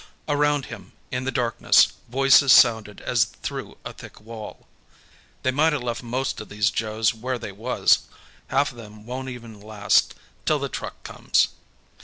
Around him, in the darkness, voices sounded as through a thick wall. "They mighta left mosta these Joes where they was. Half of them won't even last till the truck comes."